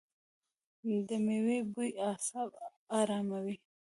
د میوو بوی اعصاب اراموي.